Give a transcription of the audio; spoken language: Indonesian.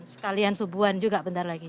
sekalian subuan juga bentar lagi